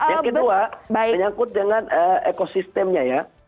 yang kedua menyangkut dengan ekosistemnya ya